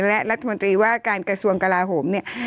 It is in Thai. และรัฐมนตรีว่าการกระทรวงกลาโหมเนี่ย